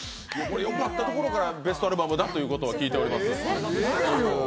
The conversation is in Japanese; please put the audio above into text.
良かったところからベストアルバムだと聞いております。